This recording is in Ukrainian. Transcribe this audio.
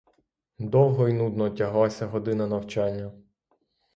Довго і нудно тяглася година навчання.